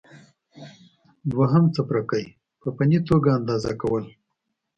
دوهم څپرکی: په فني توګه اندازه کول